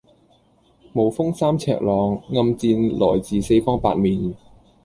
無風三尺浪，暗箭來自四方八面